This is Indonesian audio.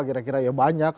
kira kira ya banyak